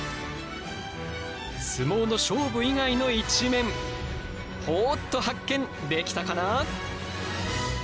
相撲の勝負以外の一面ほぉっと発見できたかな？